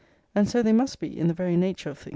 * And so they must be in the very nature of things.